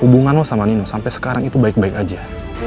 hubungan sama nino sampai sekarang itu baik baik aja